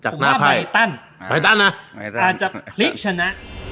ผมว่าใบตั้นอาจจะพลิกชนะ